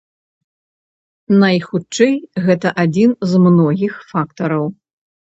Найхутчэй, гэта адзін з многіх фактараў.